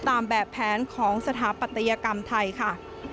ตามแบบแผนของสถาปัตยกรรมไทยค่ะ